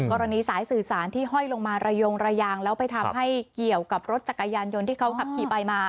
กรณีสายสื่อสารที่ห้อยลงมาระยงระยางแล้วไปทำให้เกี่ยวกับรถจักรยานยนต์ที่เขาขับขี่ไปมา